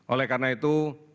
oleh karena itu